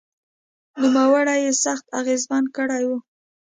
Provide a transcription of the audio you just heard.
نوموړي یې سخت اغېزمن کړی و